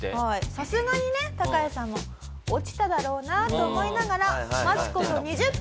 さすがにねタカヤさんも落ちただろうなと思いながら待つ事２０分。